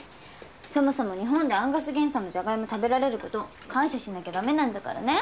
そもそも日本でアンガス原産のジャガイモ食べられること感謝しなきゃ駄目なんだからね。